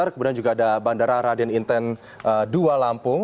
kemudian juga ada bandara raden inten dua lampung